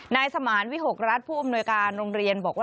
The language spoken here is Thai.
นายสมานวิหกรัฐผู้อำนวยการโรงเรียนบอกว่า